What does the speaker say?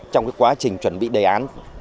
trong cái quá trình chuẩn bị đề án